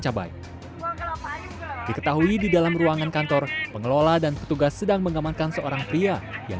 cabai diketahui di dalam ruangan kantor pengelola dan petugas sedang mengamankan seorang pria yang